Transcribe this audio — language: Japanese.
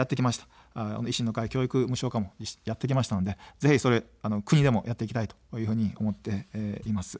維新の会、教育無償化もやってきたので、ぜひ国でもやっていきたいと思っています。